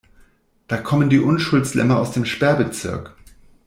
Da kommen die Unschuldslämmer aus dem Sperrbezirk.